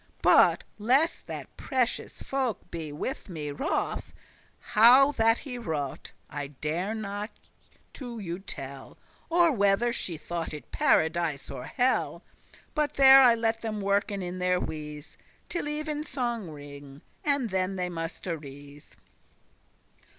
* *willing or unwilling* But, lest that precious* folk be with me wroth, *over nice <19> How that he wrought I dare not to you tell, Or whether she thought it paradise or hell; But there I let them worken in their wise Till evensong ring, and they must arise.